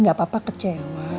gak apa apa kecewa